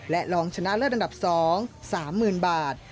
และรองชนะเลิศอันดับ๒๓๐๐๐บาท